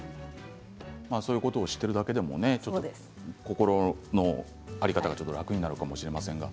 そういうことを知っているだけでも心の在り方が楽になるかもしれません。